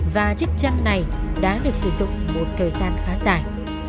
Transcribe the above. và chiếc chăn này đã được sử dụng một thời gian khá dài